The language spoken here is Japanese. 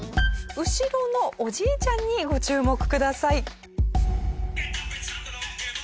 後ろのおじいちゃんにご注目ください。